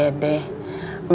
mak bisa dimakan